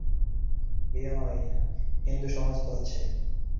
বিনয় কহিল, হিন্দুসমাজ তো আছে।